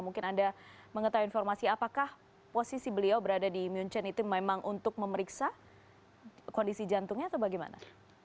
mungkin anda mengetahui informasi apakah posisi beliau berada di munchen itu memang untuk memeriksa kondisi jantungnya atau bagaimana